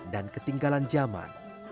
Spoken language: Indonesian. dan ketinggalan zaman